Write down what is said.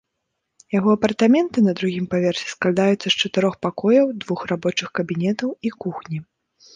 Яго апартаменты на другім паверсе складаюцца з чатырох пакояў, двух рабочых кабінетаў і кухні.